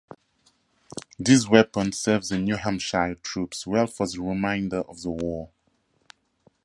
These weapons served the New Hampshire troops well for the remainder of the war.